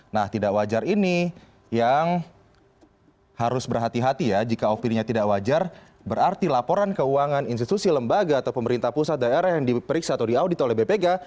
nah tidak wajar ini yang harus berhati hati ya jika opininya tidak wajar berarti laporan keuangan institusi lembaga atau pemerintah pusat daerah yang diperiksa atau diaudit oleh bpk